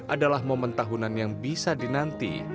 adalah momen tahunan yang bisa dinanti